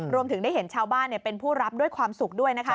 รวมถึงได้เห็นชาวบ้านเป็นผู้รับด้วยความสุขด้วยนะคะ